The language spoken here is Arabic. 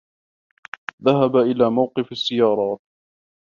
ذهب إلى موقف السّيّارات.